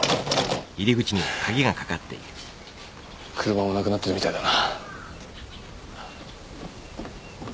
車もなくなってるみたいだな